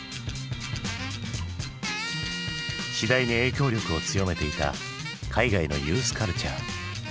次第に影響力を強めていた海外のユースカルチャー。